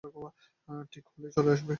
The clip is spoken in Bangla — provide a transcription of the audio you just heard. ঠিক হলেই চলে আসবে।